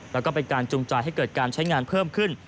แล้วก็เป็นการจุงจ่ายให้เกิดการใช้งานเพิ่มขึ้น